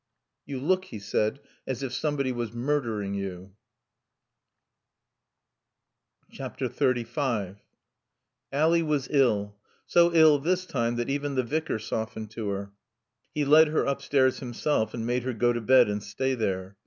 "You look," he said, "as if somebody was murdering you." XXXV Ally was ill; so ill this time that even the Vicar softened to her. He led her upstairs himself and made her go to bed and stay there.